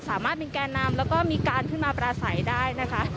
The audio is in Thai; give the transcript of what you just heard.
สามารถเป็นแก่นำแล้วก็มีการขึ้นมาปราศัยได้นะคะ